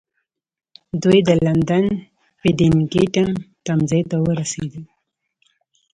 دوی د لندن پډینګټن تمځای ته ورسېدل.